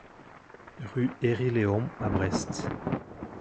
Rue Herri Léon à Brest